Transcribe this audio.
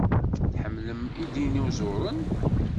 Tḥemmlem idinuẓuren?